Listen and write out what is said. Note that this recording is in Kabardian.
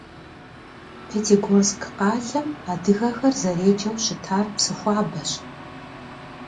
Пятигорск къалэм адыгэхэр зэреджэу щытар Псыхуабэщ.